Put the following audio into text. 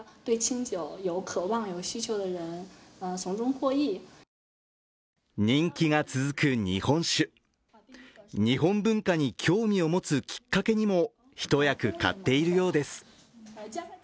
日本文化に興味を持つきっかけにも一役買っているようです。